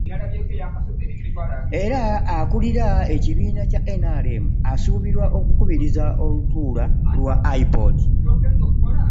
Era akulira ekibiina kya NRM asuubirwa okukubiriza olutuula lwa IPOD